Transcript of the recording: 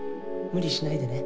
無理しないでね。